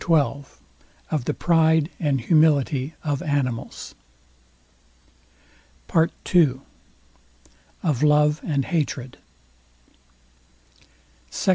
XII OF THE PRIDE AND HUMILITY OF ANIMALS PART II OF LOVE AND HATRED SECT.